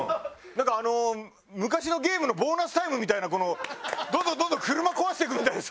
なんか昔のゲームのボーナスタイムみたいなこのどんどんどんどん車壊していくみたいな。